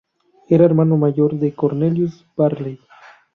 Era hermano mayor de Cornelius Varley.